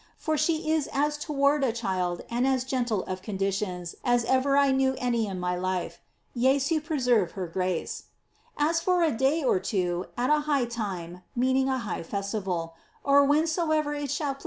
For she is as toward a ehil'l and as gentle of conditions, as ever I knew any in my life. Jesu preserve ier g race ! As for a <lay or two, at a high time (meaning a high festival), or whensoever •: shall plea.